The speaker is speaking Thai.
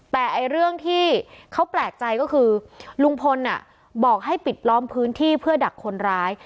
แต่เรื่องที่เขาแปลกใจก็คือลุงพลบอกให้ปิดล้อมพื้นที่เพื่อดักคนร้าย